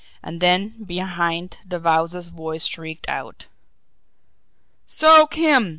And then, behind, the Wowzer's voice shrieked out: "Soak him!